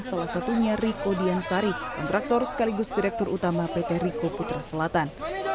salah satunya riko diansari kontraktor sekaligus direktur utama pt riko putra selatan